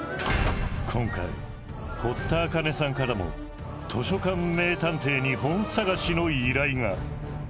今回堀田茜さんからも図書館名探偵に本探しの依頼が。